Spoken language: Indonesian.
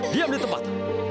diam di tempat